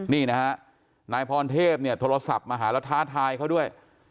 นี่นะฮะนายพรเทพเนี่ยโทรศัพท์มาหาแล้วท้าทายเขาด้วย